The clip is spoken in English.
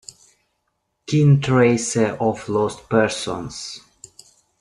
Keen, Tracer of Lost Persons.